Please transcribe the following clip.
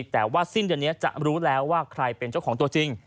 แต่ว่าสิ้นเดือนนี้จะรู้แล้วว่าใครเป็นเจ้าของตัวจริง